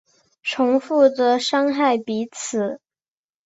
重复的伤害彼此